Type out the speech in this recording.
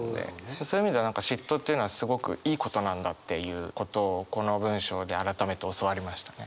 そういう意味で嫉妬っていうのはすごくいいことなんだっていうことをこの文章で改めて教わりましたね。